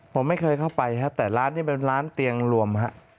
ผมไม่เคยเข้าไปครับแต่ร้านนี้เป็นร้านเตียงรวมฮะ